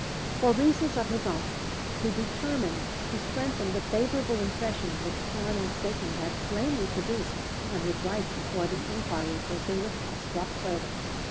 For reasons of his own, he determined to strengthen the favorable impression which Arnold's statement had plainly produced on his wife before the inquiry proceeded a step farther.